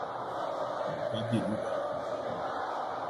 Guabiruba